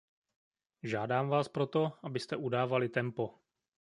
Žádám vás proto, abyste udávali tempo.